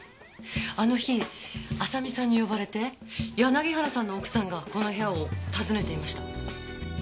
あの日亜沙美さんに呼ばれて柳原さんの奥さんがこの部屋を訪ねていました。